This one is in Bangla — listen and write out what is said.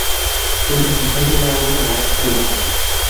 কিন্তু সিদ্ধান্ত নেয়ার মত বয়স হয়নি তার।